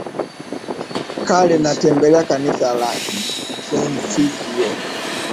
Kale na tembelea Kanisa la Gothic York